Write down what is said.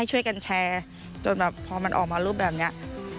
ช่วยกันแชร์จนแบบพอมันออกมารูปแบบนี้